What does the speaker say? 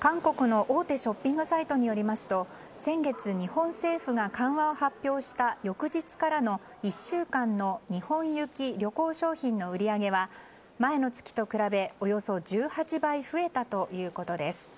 韓国の大手ショッピングサイトによりますと先月、日本政府が緩和を発表した翌日からの１週間の日本行き旅行商品の売り上げは前の月と比べおよそ１８倍増えたということです。